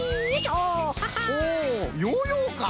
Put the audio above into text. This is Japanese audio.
おヨーヨーか！